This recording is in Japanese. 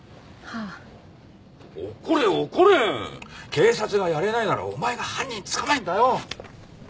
警察がやれないならお前が犯人捕まえるんだよ！